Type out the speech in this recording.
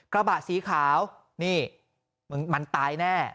กระบะสีขาวนี่มันตายแน่